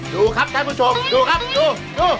ดูครับท่านผู้ชมดูครับดูดู